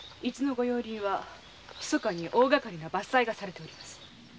伊豆の御用林はひそかに大がかりな伐採がなされております。